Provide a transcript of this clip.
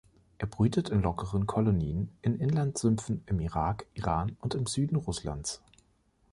Er brütet in lockeren Kolonien in Innlandsümpfen im Irak, Iran und im Süden Russlands.